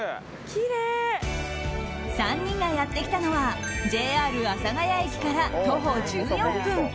３人がやってきたのはＪＲ阿佐ケ谷駅から徒歩１４分。